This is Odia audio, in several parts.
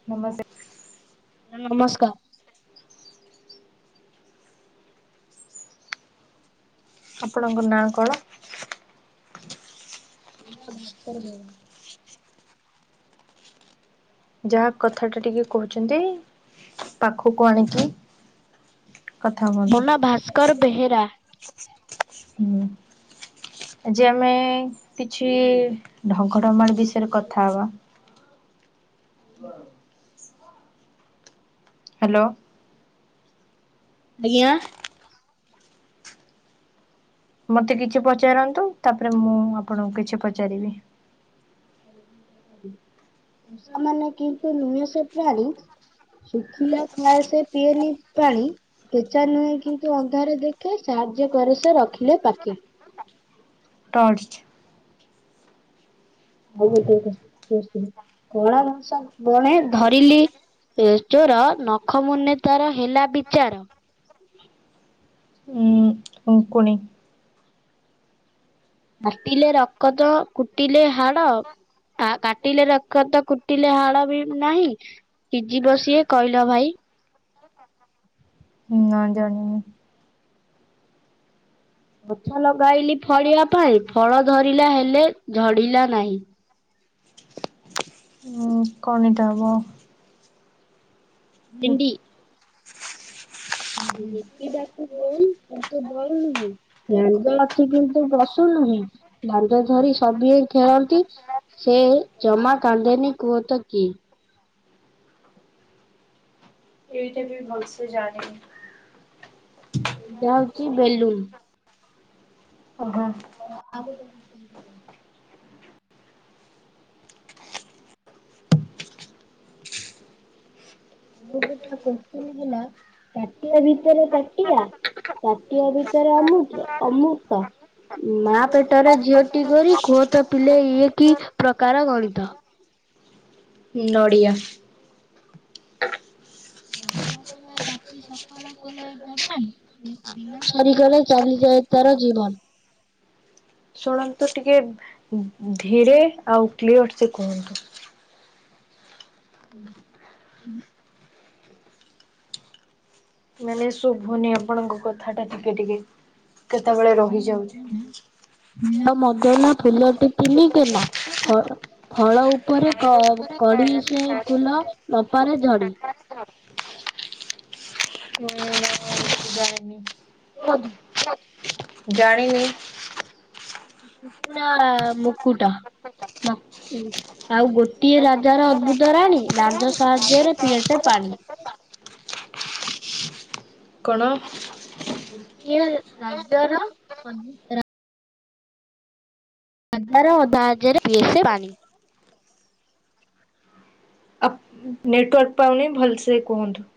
[unintelligible] ନମସ୍କାର। ଆପଣଙ୍କ ନା କଣ? [inaudible] ଯାହା କଥା ଟା ଟିକେ କହୁଛନ୍ତି ପାଖକୁ ଆଣିକି କଥା ମୋ ହୁଅନ୍ତୁ। ନାଁ ଭାସ୍କର ବେହେରା। ହୁଁ ଆଜି ଆମେ କିଛି ଢଙ୍କଡମାଳ ବିଷୟ ରେ କଥା ହବା। ହ ହ୍ୟାଲୋ? ଆଜ୍ଞା। ହ ମତେ କିଛି ପଚାରନ୍ତୁ ତାପରେ ମୁଁ ଆପଣଙ୍କୁ କିଛି ପଚାରିବି? ହୁଁ। ସେମାନେ କିନ୍ତୁ ନୁହେଁ ସେ ପ୍ରାଣୀ ଶୁଖିଲା ଖାଏ ସେ ପିଏନି ପାଣି। କେେଚା ନୁହେଁ କିନ୍ତୁ ଅନ୍ଧାର ଦେଖେ ସାହାଯ୍ୟ କରେ ସେ ରଖିଲେ ପାଖେ। ଟର୍ଚ୍ଚ। ହଉଠିକ କଣ ଜଷ ଜଣେ ଧରିଲି ଏଚୋର ନଖ ମୁନେ ତାର ହେଲା ବିଚାର। ହଁ। ଉଙ୍କୁଣି। [unintelligible] ରକତ କୁଟିଲେ ହାଡ। ଆ କାଟିଲେ ରଖତ କୁଟିଲେ ହାଡ ବି ନାହିଁ। କି ଯିବ ସିଏ କହିଲ ଭାଇ? ନା ଜାଣିନି? ଗଛ ଲଗାଇଲି ଫଳିବା ପାଇଁ ଫଳ ଧରିଲା ହେଲେ ଝଡିଲା ନାହିଁ? ଉଁ କଣ ଏଇଟା ହବ? ଭିଣ୍ଡି। ଦେଖିବାକୁ ଗୋଲ କିନ୍ତୁ ଗୋଲ ନୁହେଁ। ଦାଣ୍ଡ ଅଛି କିନ୍ତୁ ପସୁ ନୁହେଁ ଦାଣ୍ଡ ଧରି ସବିଏ ଖେଳନ୍ତି। ସେ ଜମା କାନ୍ଦେନି କୁହତ କିଏ? ଏଇଟା ବି ଭଲସେ ଜାଣିନି। ଏଇଟା ହଉଛି ବେଲୁନ। ଅହୋ। ଆଉ ମୋ ଗୋଟା କୋତ୍ସିନ୍ ହେଲା ତାଟିଆ ଭିତରେ ତାଟିଆ ତାଟିଆ ଭିତରେ ଅମୃତ ଅମୃତ ମା ପେଟରେ ଝିଅଟି ଗୋରି କୁହ ତ ପିଲେ ଇଏ କି ପ୍ରକାର ଗଣିତ? ହୁଁ ନଡ଼ିଆ। ତମ ପିଲା ରା ଦିନ ସରିଗଲେ ଚାଲିଯାଏ ତାର ଜୀବନ। ଶୁଣନ୍ତୁ ଟିକେ ଧୀରେ ଆଉ କ୍ଲିଅର ସେ କୁହନ୍ତୁ। ହୁଁ। ମାନେ ଶୁଭୁନି ଆପଣଙ୍କ କଥାଟା ଟିକେ ଟିକେ କେତେବେଳେ ରହିଯାଉଛି। ଫୁଲ ମଦନା ଫୁଲଟି ତିନି କେନା ଫ ଫଳ ଉପରେ କ କଢି ସେ ଫୁଲ ନପାରେ ଝଡି। [inaudible] ମୁଁ ନା ଜାଣିନି। କୁହନ୍ତୁ। ହ [unintelligible] ଜାଣିନି। କୁକୁଡ଼ା ମୁକୁଟ। ଆଉ ଗୋଟିଏ ରାଜାର ଅଦ୍ଭୁତ ରାଣୀ ଲାଞ୍ଜ ସାହାଯ୍ୟରେ ପିଏ ସେ ପାଣି? କଣ? ଗୋଟିଏ ରାଜାର ଅଦ୍ଭୁତ ରାଣୀ ଲାଞ୍ଜର ସାହାଯ୍ୟରେ ପିଏ ସେ ପାଣି। ନେଟୱାର୍କ ପାଉନି ଭଲସେ କୁହନ୍ତୁ।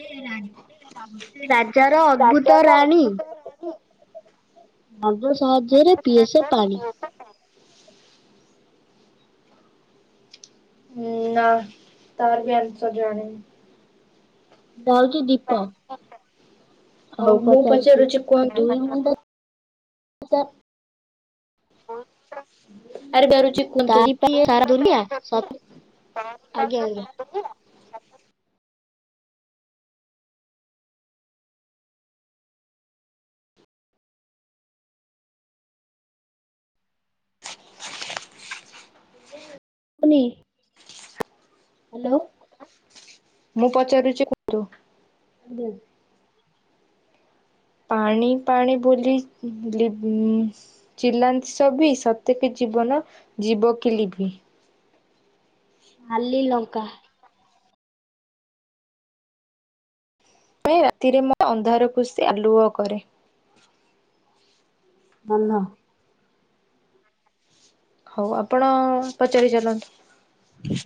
ଗୋଟିଏ ରାଜାର ଅଦ୍ଭୁତ ରାଣୀ ଲାଞ୍ଜ ସାହାଯ୍ୟରେ ପିଏସେ ପାଣି? ନା ତାର ବି ଆଂସର ଜାଣିନି। ସେଟା ହୋଉଛି ଦୀପ ହଉ ପଚାରୁଛି ଦୁଇ ମୁଣ୍ଡା ଆରେବେ ରାରୁଚି [unintelligible] ତାରି ପାଇଁ ସାରା ଦୁନିଆ ଆଜ୍ଞା ଆଜ୍ଞା। ଶୁଭୁନି ହ୍ୟାଲୋ। ମୁଁ ପଚାରୁଛି କୁହନ୍ତୁ? ଆଜ୍ଞା। ପାଣି ପାଣି ବୋଲି ଚିଲାନ୍ତି ସଭିଏ ସତେକି ଜୀବନ ଜୀବକି ଲିଭି? ନାଲି ଲଙ୍କା। ରାତିରେ ମୋ ଅନ୍ଧାର କୁ ସିଏ ଆଲୁଅ କରେ? ଜହ୍ନ। ହଉ ଆପଣ ପଚାରି ଚାଲନ୍ତୁ।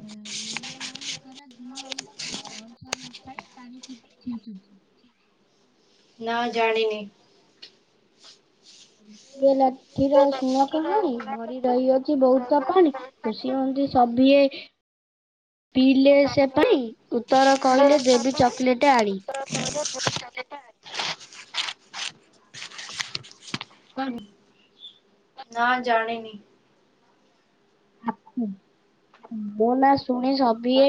ହୁଁ। ନିଆଁ ନାଇଁ ସାରା ଧୂଆଁ ଉଡୁଛି ବରଷା ନଥାଇ ପାଣିି ଛିଞ୍ଚୁଛି? ନା ଜାଣିନି। ଏ ଲଠିର ଶୁଣ କାହାଣୀ ଭରି ରହିଅଛି ବହୁତ ବହୁତ ପାଣି ଖୁସି ହୁଅନ୍ତି ସଭିିଏ ପିଇଲେ ସେ ପାଇଁ ଉତ୍ତର କହିଲେ ଦେବୀ ଚକୋଲେଟ ଆଣି। [unintelligible] ନା ଜାଣିନି। ମୋ ନା ଶୁଣି ସଭିଏ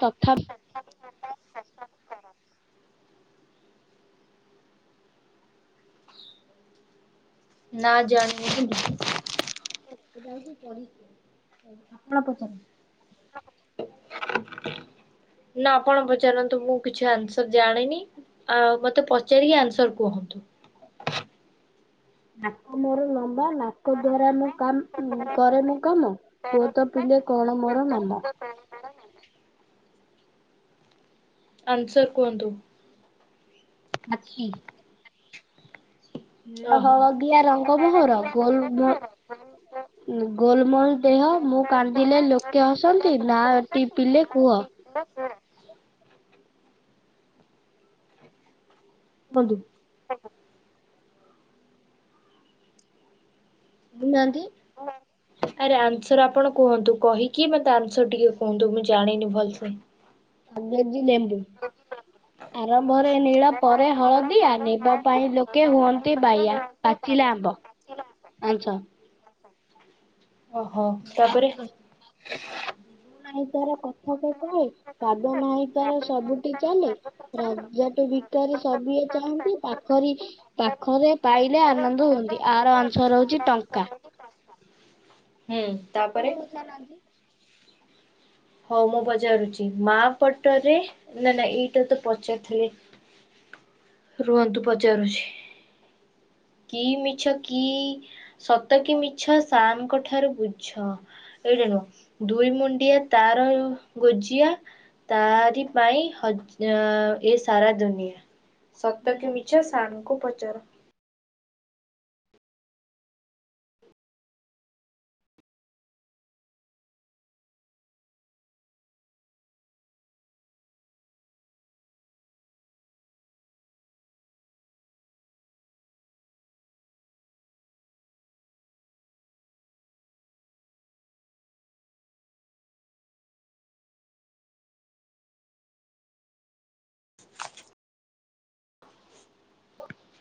ତଥାପି ନା ଜାଣିନି। ସେଟା ହଉଛି ପରୀକ୍ଷା ଆପଣ ପଚାରନ୍ତୁ। ନା ଆପଣ ପଚାରନ୍ତୁ ମୁଁ କିଛି ଆନ୍ସର ଜାଣିନି। ଆଉ ମୋତେ ପଚାରିକି ଆନ୍ସର କୁହନ୍ତୁ। ନାକ ମୋର ଲମ୍ବା ନାକ ନାକ ଦ୍ଵାରା ମୁଁ କାମ କରେ ମୁଁ କାମ କୁହ ତ ପିିଲେ କଣ ମୋର ନାମ? ଆନ୍ସର କୁହନ୍ତୁ। ହାତୀ। ନୀଳ ଓହୋ। ହଳଦିଆ ରଙ୍ଗ ମୋହର ଗୋଲ୍ ଗୋଲ୍ ଗୋଲମୋଲ ଦେହ ମୁଁ କାନ୍ଦିଲେ ଲୋକେ ହସନ୍ତି ନା ଟି ପିଲେ କୁହ। ବନ୍ଧୁ। କହୁନାହାନ୍ତି [unintelligible] ଆରେ ଆନ୍ସର ଆପଣ କୁହନ୍ତୁ କହିକି ମତେ ଆନ୍ସର ଟିକେ କୁହନ୍ତୁ ମୁଁ ଜାଣିନି ଭଲସେ। କାଗେଜି ଲେମ୍ବୁ। ଆରମ୍ଭରେ ନୀଳ ପରେ ହଳଦିଆ ନେବା ପାଇଁ ଲୋକେ ହୁଅନ୍ତି ବାୟା। [unintelligible] ଆନ୍ସା ଓହୋ ତାପରେ [inaudible] ନାହିଁ ତାର କଥା ତ କହେ ପାଦ ନାହି ତାର ସବୁଠି ଚାଲେ। ରାଜା ଟୁ ଭିକାରୀ ସଭିଏଁ ଚାହାଁନ୍ତି ପାଖରି ପାଖରେ ପାଇଲେ ଆନନ୍ଦ ହୁଅନ୍ତି। ଆର ଆନ୍ସର ହଉଛି ଟଙ୍କା। [unintelligible] ଆପଣ ପଚାରୁନାହାନ୍ତି। ହଉ ମୁଁ ପଚାରୁଛି ମା ପଟରେ ନା ନା ଏଇଟା ତ ପଚାରୁଥିଲେ। ରୁହନ୍ତୁ ପଚାରୁଛି। କି ମିଛ କି ସତ କି ମିଛ ସାର୍ ଙ୍କ ଠାରୁ ବୁଝ? ଏଇଟା ନୁହଁ। ଦୁଇ ମୁଣ୍ଡିଆ ତାର ଗୋଜିଆ ତାରି ପାଇଁ ହଜ୍-ଅ, ଏ ସାରା ଦୁନିଆ। ସତ ଧନ କି ମିଛ ସାର୍ ଙ୍କୁ ପଚାର।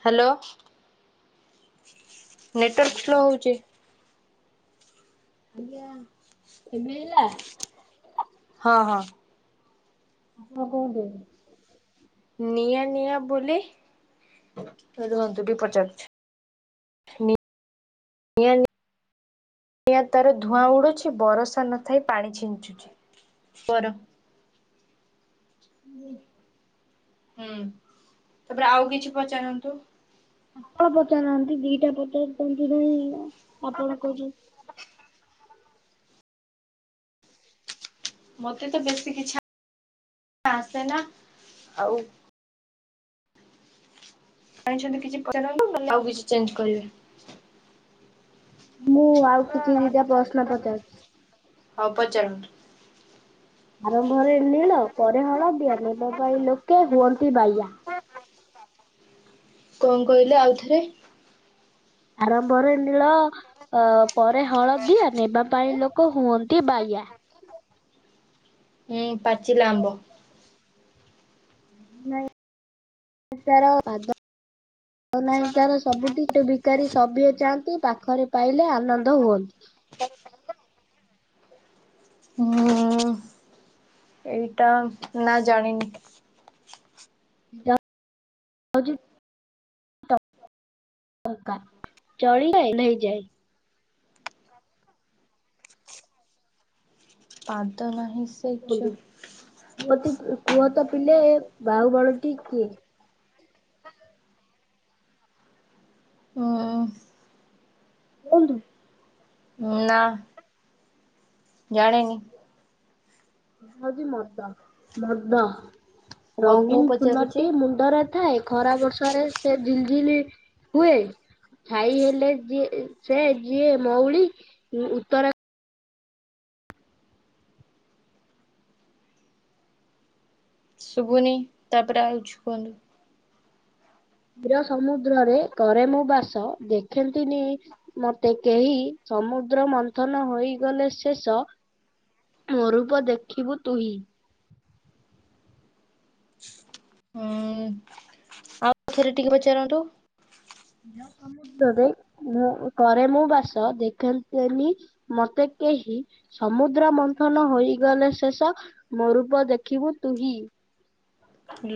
ହାଲୋ, ନେଟୱାର୍କ ସ୍ଲୋ ହଉଚି। ମିଳିଲା ଏ ମିଲିଲା? ହଁ, ହଁ। ଆପଣ କୋଉଠି? ନିଆଁ ନିଆଁ ବୁଲେ, ରୁହନ୍ତୁ ଟିକେ ପଚାରୁଛି। ଇଏନି ନିଆଁ ତାର ଧୂଆଁ ଉଡୁଛି ବରଷା ନଥାଇ ପାଣି ଛିଞ୍ଚୁଛି ତୋର। [unintelligible] ହୁଁ, ତାପରେ ଆଉ କିଛି ପଚାରନ୍ତୁ। ଆପଣ ପଚାରୁନାହାନ୍ତି ଦିଟା ପଚାରୁଛନ୍ତି ରୁ ଆପଣ ଖୋଜୁ ମୋତେ ତ ବେଶୀ କିଛି ଆ [inaudible] ଆସେନା ଆଉ ଜାଣିଛନ୍ତି କିଛି ପଚାରନ୍ତୁ, ନହେଲେ ଆଉ କିଛି ଚେଞ୍ଜ କରିବେ। ମୁଁ ଆଉ କିଛି ଦିଟା ପ୍ରଶ୍ନ ପଚାରୁଛି। ହଁ ପଚାରନ୍ତୁ। ଆରମ୍ଭରେ ନୀଳ ପରେ ହଳଦିଆ ନେବା ପାଇଁ ଲୋକେ ହୁଅନ୍ତି ବାୟା। କଣ କହିଲେ ଆଉଥରେ? ଆରମ୍ଭରେ ନୀଳ ଅ, ପରେ ହଳଦିଆ ନେବା ପାଇଁ ଲୋକ ହୁଅନ୍ତି ବାୟା। ଏଁ, ପାଚିଲା ଆମ୍ବ। ନାଇ ତାର ପାଦ ନାହି ତାର ସବୁଠି [inaudible] କାରୀ ସଭିଏ ଚାଆନ୍ତି ପାଖରେ ପାଇଲେ ଆନନ୍ଦ ହୁଅନ୍ତି। [inaudible] ମୁଁ ଏଇଟା ନା ଜାଣିନି। ଜା [inaudible] ଟ ଟଙ୍କା। ଚଳିଲେ ନେଇଯାଏ। ପାଦ ନାହି ସି ବିରି, ମୋତେ କୁ-କୁହ ତ ପିଲେ ବାହୁବଳ ଟି କିଏ? ଅଁ, ବନ୍ଧୁ ନା ଜାଣିନି। ହଉଛି ମଦ। ମଦ, ହଉ ମୁଁ ରଙ୍ଗୀନ ଫୁଲଟି ପଚାରୁଛି। ମୁଣ୍ଡରେ ଥାଏ ଖରା ବର୍ଷ ରେ ସେ ଝିଲ୍ ଝିଲ୍ ହୁଏ। ଛାଇ ହେଲେ ଯିଏ ଏ ସେ ଯିଏ ମଉଳି କି ଉତ୍ତର ଶୁଭୁନି ତାପରେ ଆଉ ଛୁ କହନ୍ତୁ। କ୍ରୟ ସମୁଦ୍ରରେ କରେ ମୁଁ ବାସ ଦେଖେନ୍ତିନି ମତେ କେହି ସମୁଦ୍ର ମନ୍ଥନ ହୋଇଗଲେ ଶେଷ ମୋ ରୂପ ଦେଖିବୁ ତୁହି ହୁଁ ଆଉଥରେ ଟିକେ ପଚାରନ୍ତୁ। ଯ ସମ ରେ ମୁଁ କରେ ମୁଁ ବାସ ଦେଖନ୍ତନି ମତେ କେହି ସମୁଦ୍ର ମନ୍ଥନ ହୋଇଗଲେ ଶେଷ ମୋ ରୂପ ଦେଖିବୁ ତୁହି।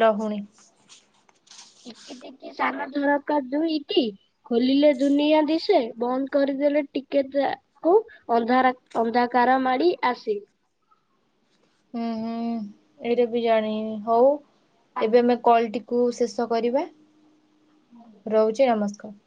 ଲହୁଣୀ ଟିକେ ଟିକି ସାନ ରକା ଦୁଇଟି ଖୋଲିଲେ ଦୁନିଆ ଦିଶେ, ବନ୍ଦ କରିଦେଲେ ଟିକେ ଟା କୁ ଅନ୍ଧାର ଅନ୍ଧାକାର ମାଡ଼ି ଆସେ। ହୁଁ ହୁଁ ଏଇଟା ବି ଜାଣି ହଉ ଏବେ ଆମେ କଲ ଟି କୁ ଶେଷ କରିବା ରହୁଛି ନମସ୍କାର।